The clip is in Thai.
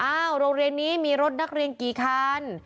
โรงเรียนนี้มีรถนักเรียนกี่คัน